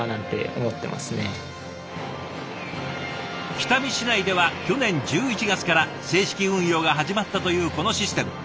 北見市内では去年１１月から正式運用が始まったというこのシステム。